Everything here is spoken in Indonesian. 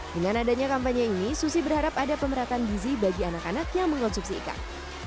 dengan adanya kampanye ini susi berharap ada pemeratan gizi bagi anak anak yang mengonsumsi ikan